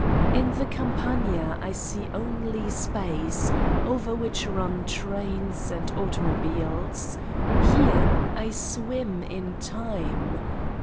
In the Campagna I see only space, over which run trains and automobiles. Here I swim in time.